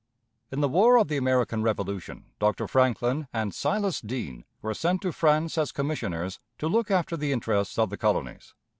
In the War of the American Revolution, Dr. Franklin and Silas Deane were sent to France as commissioners to look after the interests of the colonies.